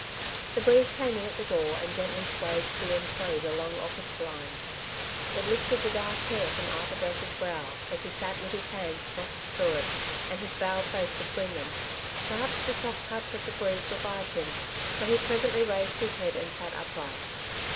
The breeze came in at the door, and gently swayed to and fro the long oflSce blinds. It lifted the dark hair from Arthur Delta's brow, as he sat with his hands thrust through it and his bowed face between them. Perhaps the soft touch of the breeze revived him, for he presently raised his head and sat upright.